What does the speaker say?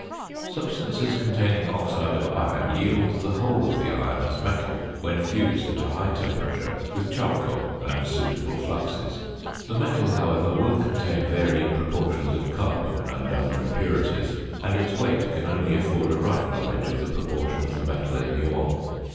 Substances containing oxide of iron yield the whole of the iron as metal when fused at a high temperature with charcoal and suitable fluxes. The metal, however, will contain varying proportions of carbon and other impurities, and its weight can only afford a rough knowledge of the proportion of the metal in the ore.